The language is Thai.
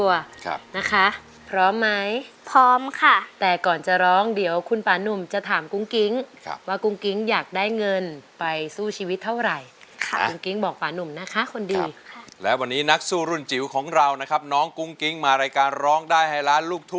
ว่าหนูว่าชู้เพื่อแม่กับพ่อได้ค่ะ